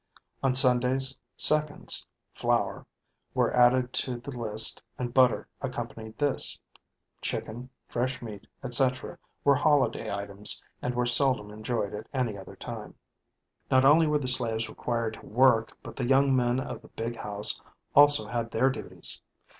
On Sundays "seconds" (flour) were added to the list and butter accompanied this. Chickens, fresh meat, etc., were holiday items and were seldom enjoyed at any other time. Not only were the slaves required to work but the young men of the "big house" also had their duties.